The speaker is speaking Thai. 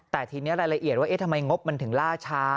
แต่ทีนี้รายละเอียดว่าเอ๊ะทำไมงบมันถึงล่าช้า